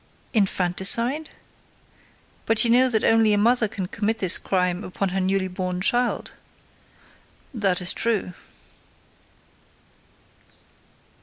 "Infanticide? But you know that only a mother can commit this crime upon her newly born child?" "That is true."